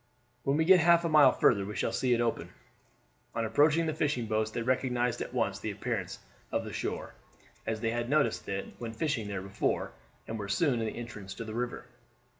When we get half a mile further we shall see it open." On approaching the fishing boats they recognized at once the appearance of the shore, as they had noticed it when fishing there before, and were soon in the entrance to the river.